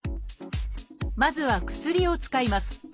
まずは薬を使います。